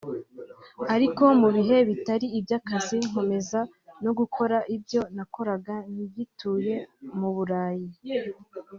Ariko mu bihe bitari iby’akazi nkomeza no gukora ibyo nakoraga ngituye mu Burayi